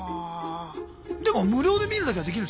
でも無料で見るだけはできるんですよね？